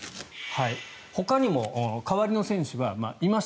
ほかにも代わりの選手はいました。